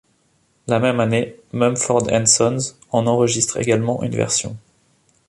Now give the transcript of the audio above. La même année Mumford & Sons en enregistre également une version.